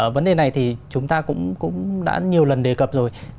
vấn đề này thì chúng ta cũng đã nhiều lần đề cập rồi